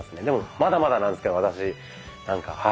でもまだまだなんですけど私なんか。